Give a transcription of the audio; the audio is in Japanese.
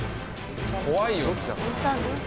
「怖いよな」